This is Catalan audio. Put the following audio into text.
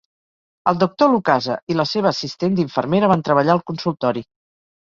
El doctor Lucase i la seva assistent d'infermera van treballar al consultori.